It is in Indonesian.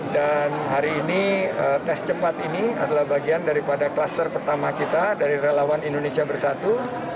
dan hari ini tes cepat ini adalah bagian daripada kluster pertama kita dari relawan indonesia bersatu